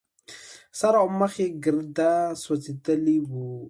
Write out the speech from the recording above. سر او مخ يې ګرده سوځېدلي وو.